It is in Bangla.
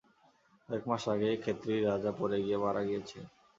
কয়েক মাস আগে খেতড়ির রাজা পড়ে গিয়ে মারা গিয়েছেন।